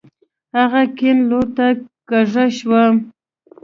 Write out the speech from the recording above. هغه کيڼ لورته کږه شوه.